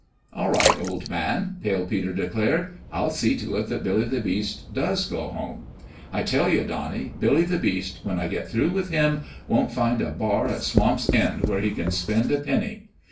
"All right, old man!" Pale Peter declared. " I'll see to it that Billy the Beast does go home. I tell you, Donnie, Billy the Beast, when I get through with him, won't find a bar at Swamp's End where he can spend a penny.